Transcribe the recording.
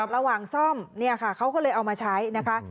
ระหว่างซ่อมเขาก็เลยเอามาใช้นะคะ